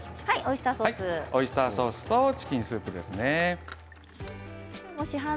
オイスターソースとチキンスープですね。